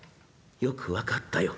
よく分かったよ」。